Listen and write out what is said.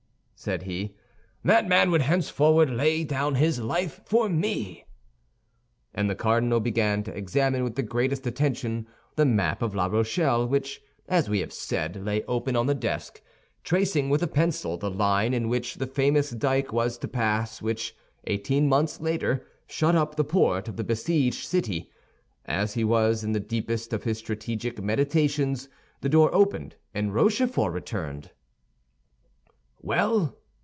said he, "that man would henceforward lay down his life for me." And the cardinal began to examine with the greatest attention the map of La Rochelle, which, as we have said, lay open on the desk, tracing with a pencil the line in which the famous dyke was to pass which, eighteen months later, shut up the port of the besieged city. As he was in the deepest of his strategic meditations, the door opened, and Rochefort returned. "Well?"